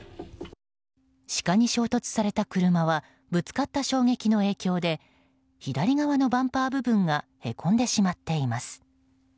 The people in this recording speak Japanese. シカに衝突された車はぶつかった衝撃の影響で左側のバンパー部分がへこんでしまっています。